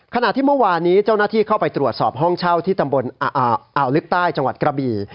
ขณะที่เมื่อวานนี้เจ้าหน้าที่เข้าไปตรวจสอบห้องเช่าที่ตำบลอ่าวลึกใต้จังหวัดกระบี่